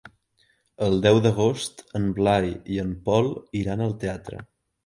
El deu d'agost en Blai i en Pol iran al teatre.